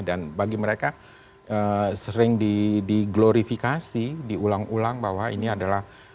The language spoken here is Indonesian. dan bagi mereka sering diglorifikasi diulang ulang bahwa ini adalah